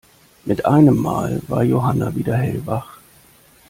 Mit einem Mal war Johanna wieder hellwach.